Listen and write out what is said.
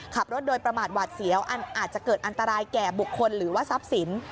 ขับรถโดยประมาทหวาดเสียวอาจจะเกิดอันตรายแก่บุคคลหรือว่าทรัพย์สิน